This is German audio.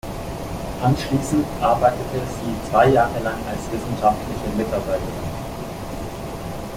Anschließend arbeitete sie zwei Jahre lang als wissenschaftliche Mitarbeiterin.